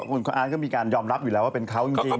คุณอาร์ตก็มีการยอมรับอยู่แล้วว่าเป็นเขาจริง